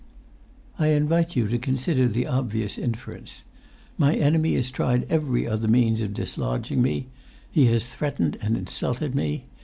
"I invite you to consider the obvious inference. My enemy has tried every other means of dislodging me. He has threatened and insulted me.